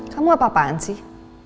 kamu apa apaan sih